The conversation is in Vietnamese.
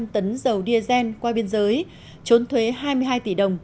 bảy bảy trăm linh tấn dầu diazen qua biên giới trốn thuế hai mươi hai tỷ đồng